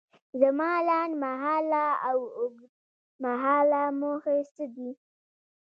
زما لنډ مهاله او اوږد مهاله موخې څه دي؟